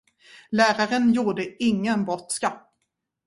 Läraren gjorde ingen brådska.